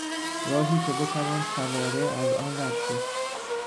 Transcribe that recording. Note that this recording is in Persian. راهی که بتوان سواره از آن رد شد